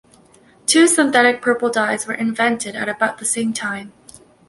Two synthetic purple dyes were invented at about the same time.